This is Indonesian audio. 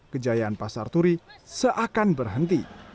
kejayaan pasar turi seakan berhenti